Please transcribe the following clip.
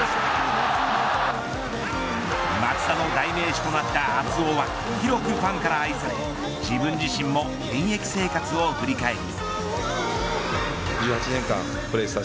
松田の代名詞となった熱男は広くファンから愛され自分自身も現役生活を振り返り。